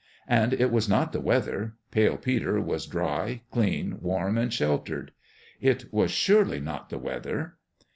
And it was not the weather. Pale Peter was dry, clean, warm and sheltered. It was surely not the weather.